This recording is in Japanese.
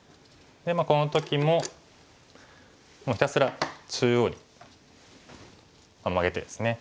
この時ももうひたすら中央にマゲてですね